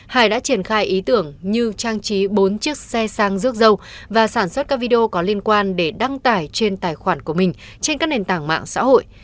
hải đã triển khai ý tưởng như trang trí bốn chiếc xe sang rước dâu và sản xuất các video có liên quan để đăng tải trên tài khoản của mình trên các nền tảng mạng xã hội